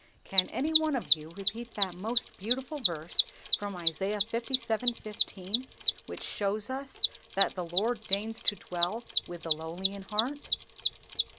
Can any one of you repeat that most beautiful verse from Isaiah (lvii. 15), which shows us that the Lord deigns to dwell with the lowly in heart?"